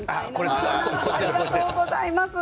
ありがとうございます。